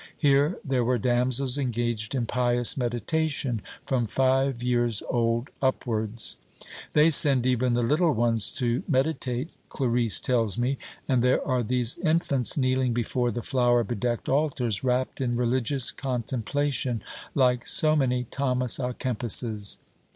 Here there were damsels engaged in pious meditation, from five years old upwards. They send even the little ones to meditate, Clarice tells me; and there are these infants kneeling before the flower bedecked altars, rapt in religious contemplation, like so many Thomas à Kempises.